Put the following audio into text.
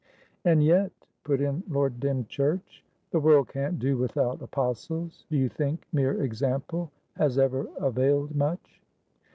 "And yet," put in Lord Dymchurch, "the world can't do without apostles. Do you think mere example has ever availed much?"